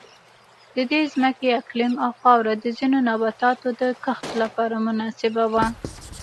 د دې ځمکې اقلیم او خاوره د ځینو نباتاتو د کښت لپاره مناسبه وه.